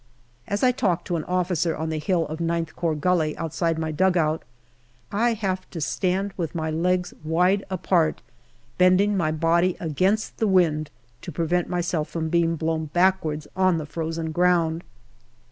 As I talk to an officer on the hill of IX Corps Gully, outside my dugout, I have to stand with my legs wide apart, bending my body against the wind to prevent myself from being blown backwards on the frozen ground.